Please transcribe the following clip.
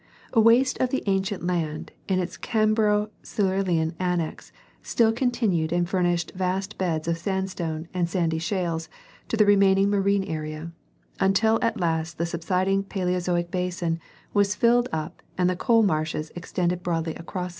Waste of the ancient land and its Cambro Silurian annex still continued and furnished vast beds of sandstone and sandy shales to the remaining marine area, until at last the subsiding Paleozoic basin was filled up and the coal marshes extended broadly across it.